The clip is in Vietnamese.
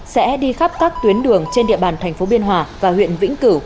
sẽ đi khắp các tuyến đường trên địa bàn thành phố biên hòa và huyện vĩnh cửu